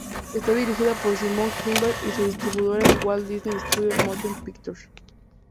Está dirigida por Simon Kinberg y su distribuidora es Walt Disney Studios Motion Pictures.